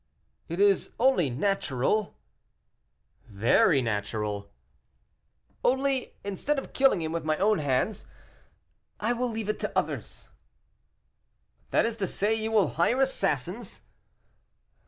"It is only natural." "Very natural." "Only, instead of killing him with my own hands, I will leave it to others." "That is to say, you will hire assassins?"